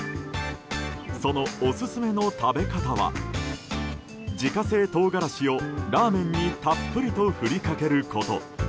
そのオススメの食べ方は自家製トウガラシをラーメンにたっぷりと振りかけること。